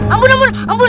ampun ampun ampun